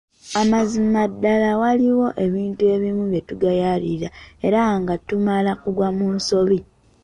Mazima ddala waliwo ebintu ebimu bye tugayaalirira era nga tumala kugwa mu nsobi.